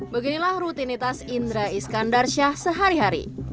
beginilah rutinitas indra iskandar syah sehari hari